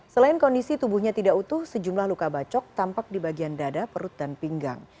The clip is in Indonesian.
selain kondisi tubuhnya tidak utuh sejumlah luka bacok tampak di bagian dada perut dan pinggang